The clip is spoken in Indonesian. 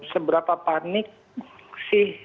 seberapa panik sih